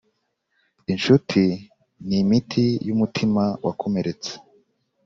inshuti ni imiti yumutima wakomeretse.